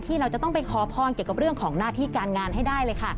เราจะต้องไปขอพรเกี่ยวกับเรื่องของหน้าที่การงานให้ได้เลยค่ะ